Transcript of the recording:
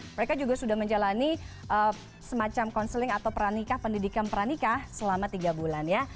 mereka juga sudah menjalani semacam counseling atau pernikah pendidikan peranikah selama tiga bulan ya